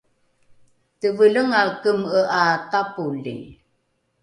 tevelengae keme’e ’a tapoli